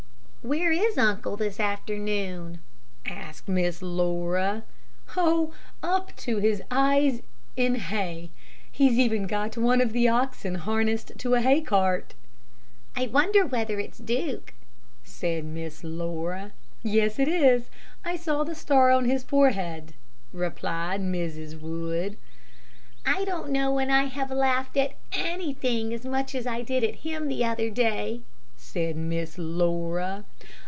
"Where is uncle this afternoon?" asked Miss Laura. "Oh, up to his eyes in hay. He's even got one of the oxen harnessed to a hay cart." "I wonder whether it's Duke?" said Miss Laura. "Yes, it is. I saw the star on his forehead," replied Mrs. Wood. "I don't know when I have laughed at anything as much as I did at him the other day," said Miss Laura.